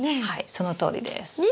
はいそのとおりです。